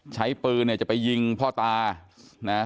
ใช้ปืนเนี่ยจะไปยิงพ่อตานะ